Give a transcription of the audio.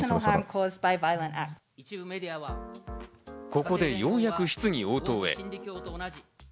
ここでようやく質疑応答へ。